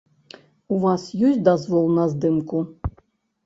У вас ёсць дазвол на здымку?